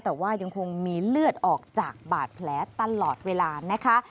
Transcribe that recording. แต่ว่ายังคงมีเลือดออกจากบาดแผลตลอดเวลานะคะ